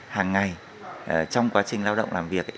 hàng ngày trong quá trình lao động làm việc